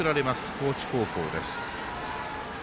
高知高校です。